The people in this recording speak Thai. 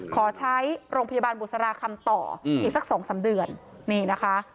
ขอใช้โรงพยาบาลบุษราคำต่ออีกสักสองสามเดือนนี่นะคะ